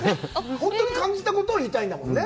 本当に感じたことは言いたいんだもんね。